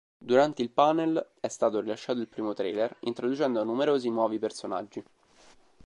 Durante il panel, è stato rilasciato il primo trailer, introducendo numerosi nuovi personaggi.